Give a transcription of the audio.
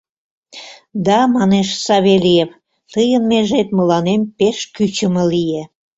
— Да, — манеш Савельев, — тыйын межет мыланем пеш кӱчымӧ лие.